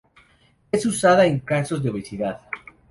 Es usada en casos de obesidad.